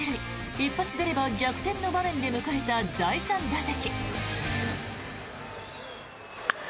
一発出れば逆転の場面で迎えた第３打席。